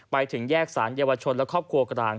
ไปถึงแยกสารเยาวชนและครอบครัวกลาง